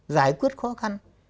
giải quyết khó khăn